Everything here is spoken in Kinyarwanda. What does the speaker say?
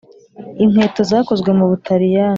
inkweto zakozwe mu butaliyani.